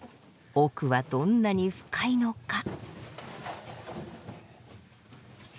奥はどんなに深いのか。